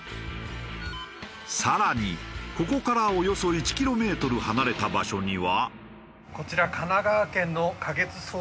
更にここからおよそ１キロメートル離れた場所には。